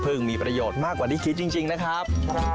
มีประโยชน์มากกว่าที่คิดจริงนะครับ